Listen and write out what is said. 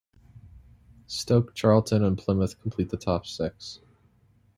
Stoke, Charlton and Plymouth complete the top six.